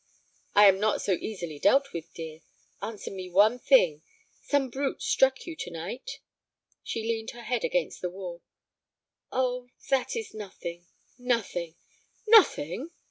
"I am not so easily dealt with, dear. Answer me one thing. Some brute struck you to night?" She leaned her head against the wall. "Oh, that is nothing—nothing." "Nothing!"